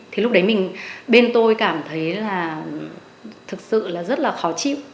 thì lúc đấy mình bên tôi cảm thấy là thực sự là rất là khó chịu